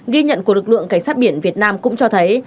ghi nhận của lực lượng cảnh sát biển việt nam cũng cho thấy